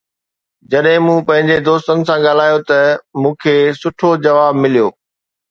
جڏهن مون پنهنجي دوستن سان ڳالهايو ته مون کي سٺو جواب مليو